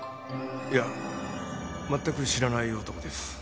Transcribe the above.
いや全く知らない男です。